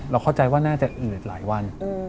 แล้วเข้าใจว่าน่าจะเหลือหลายวัน